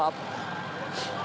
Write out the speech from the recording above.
mungkin ada yang tidak